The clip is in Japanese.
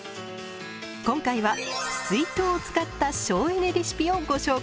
今回は水筒を使った省エネレシピをご紹介。